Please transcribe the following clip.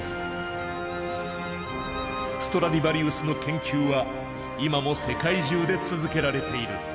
ストラディヴァリウスの研究は今も世界中で続けられている。